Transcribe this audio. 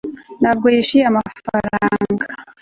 ntabwo yishyuye amafaranga